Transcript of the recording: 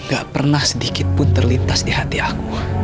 gak pernah sedikitpun terlintas di hati aku